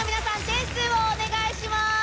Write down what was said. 点数をお願いします。